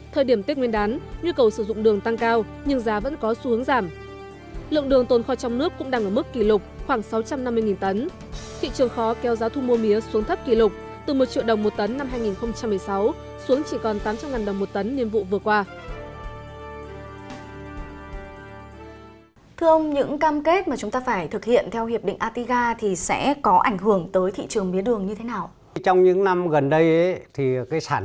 thời điểm tết nguyên đán nhu cầu sử dụng đường tăng cao nhưng giá vẫn có xu hướng giảm